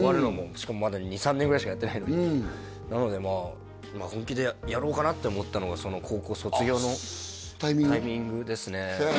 しかもまだ２３年ぐらいしかやってないのになのでまあ本気でやろうかなと思ったのがその高校卒業のタイミングですねへえ